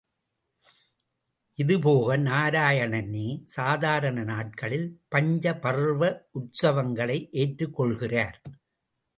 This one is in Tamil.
இந்த போக நாராயணனே, சாதாரண நாட்களில் பஞ்ச பர்வ உற்சவங்களை ஏற்றுக் கொள்கிறார்.